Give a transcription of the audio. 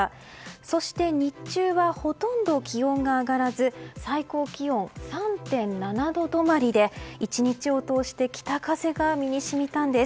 そして、日中はほとんど気温が上がらず最高気温３．７度止まりで１日を通して北風が身に染みたんです。